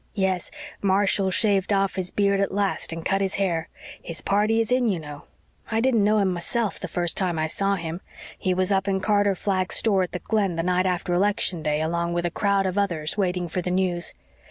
Yes, Marshall's shaved off his beard at last and cut his hair. His party is in, you know. I didn't know him myself first time I saw him. He was up in Carter Flagg's store at the Glen the night after election day, along with a crowd of others, waiting for the news.